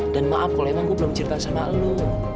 dan maaf kalau emang gue belum cerita sama lo